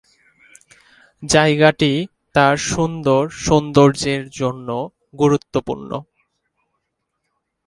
জায়গাটি তার সুন্দর সৌন্দর্যের জন্য গুরুত্বপূর্ণ।